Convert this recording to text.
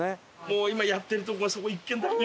もう今やってるとこはそこ１軒だけ。